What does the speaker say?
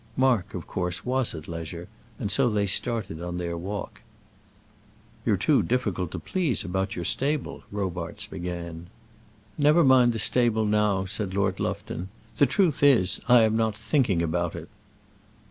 Mark, of course, was at leisure, and so they started on their walk. "You're too difficult to please about your stable," Robarts began. "Never mind the stable now," said Lord Lufton. "The truth is, I am not thinking about it.